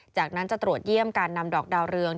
จากนั้นจะตรวจเยี่ยมการนำดอกดาวเรือง